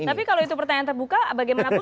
tapi kalau itu pertanyaan terbuka bagaimanapun